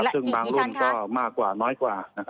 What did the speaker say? ซึ่งบางรุ่นก็มากกว่าน้อยกว่า